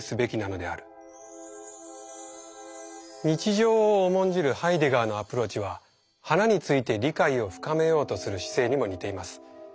日常を重んじるハイデガーのアプローチは花について理解を深めようとする姿勢にも似ています。